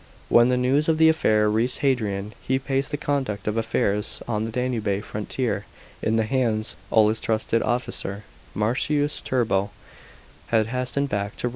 When the n ws of the affair reached Hadrian, he paced the conduct of affairs on the Danube frontier in the hands ol his trusted officer, Marcius Turbo, and hastened back to 496 THE PBINCIPATE OF HADRIAN.